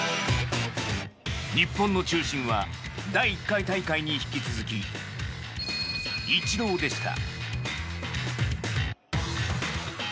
日本の中心は第１回大会に引き続きイチローでした。